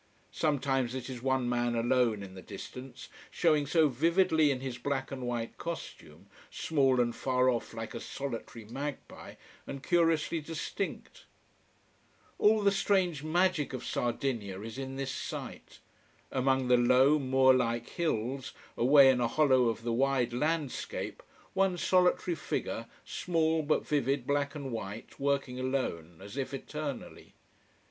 Sometimes it is one man alone in the distance, showing so vividly in his black and white costume, small and far off like a solitary magpie, and curiously distinct. All the strange magic of Sardinia is in this sight. Among the low, moor like hills, away in a hollow of the wide landscape one solitary figure, small but vivid black and white, working alone, as if eternally.